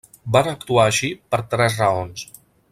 Van actuar així per tres raons.